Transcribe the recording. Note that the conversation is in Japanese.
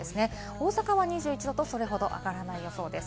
大阪は２１度とそれほど上がらない予想です。